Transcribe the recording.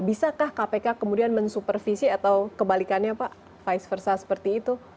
bisakah kpk kemudian mensupervisi atau kebalikannya pak vice versa seperti itu